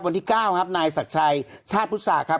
วันที่๙ครับนายศักดิ์ชัยชาติพุทธศาสตร์ครับ